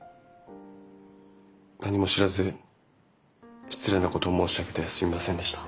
何も知らず失礼なことを申し上げてすいませんでした。